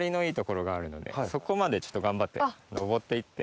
そこまでちょっと頑張って登って行って。